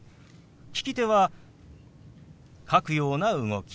利き手は書くような動き。